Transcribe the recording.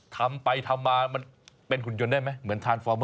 ทำไปทำมามันเป็นหุ่นยนต์ได้ไหมเหมือนทานฟอร์มอ